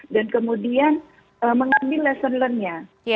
dan kemudian mengambil lesson learnednya